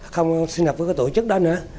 không sinh hoạt với tổ chức đó nữa